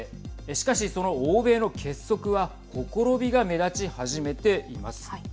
しかし、その欧米の結束はほころびが目立ち始めています。